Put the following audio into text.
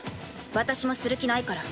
私もする気ないから。